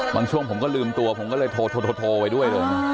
บางช่วงผมก็ลืมตัวผมก็เลยโทไว้ด้วย